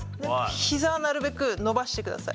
ひざをなるべく伸ばしてください。